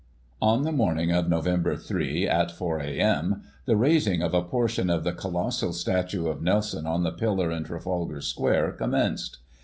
On the morning of Nov. 3, at 4 a.m., the raising of a por tion of the colossal statue of Nelson, on the pillar in Trafalgar Square, commenced.